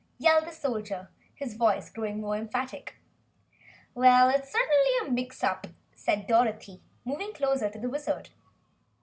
yelled the Soldier, his voice growing more emphatic. "Well, it's certainly a mix up," said Dorothy, moving closer to the Wizard.